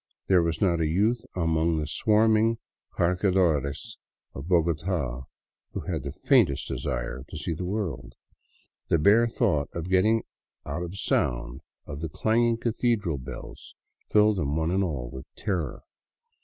There was not a youth among the swarming cargadores of Bogota who had the faintest desire to see the world; the bare thought of getting out of sound of the clanging cathedral bells filled them one and all with terror.